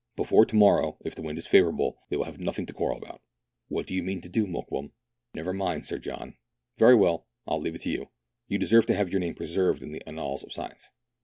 Before to morrow, if the wind is favourable, they will have nothing to quarrel about." " What do you mean to do, Mokoum ?"" Never mind, Sir John." " Very well, I will leave it to you. You deserve to have your name preserved in the annals of science."